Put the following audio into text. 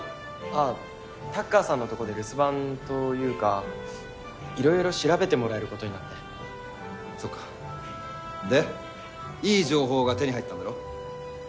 ああタッカーさんのところで留守番というか色々調べてもらえることになってそっかでいい情報が手に入ったんだろ？